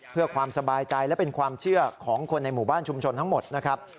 เพื่อความสบายใจและเป็นความเชื่อของคนในหมู่บ้านชุมชนทั้งหมดนะครับ